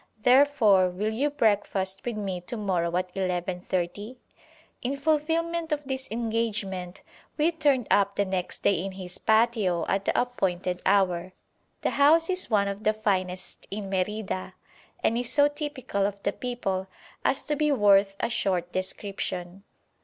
Therefore, will you breakfast with me to morrow at 11.30?" In fulfilment of this engagement we turned up the next day in his patio at the appointed hour. The house is one of the finest in Merida, and is so typical of the people as to be worth a short description.